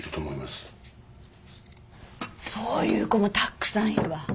そういう子もたっくさんいるわ。